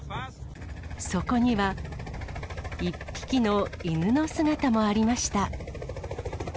そこには、１匹の犬の姿もありました。